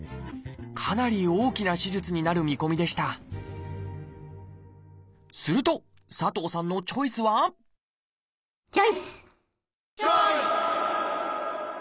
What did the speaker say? かなり大きな手術になる見込みでしたすると佐藤さんのチョイスはチョイス！